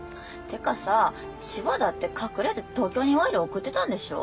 てかさ千葉だって隠れて東京に賄賂送ってたんでしょ？